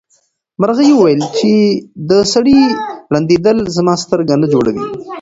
مرغۍ وویل چې د سړي ړندېدل زما سترګه نه جوړوي.